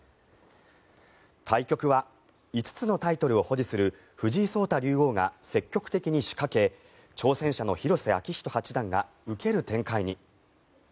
対局は５つのタイトルを保持する藤井竜王が積極的に仕掛け挑戦者の広瀬章人八段が受ける展開に。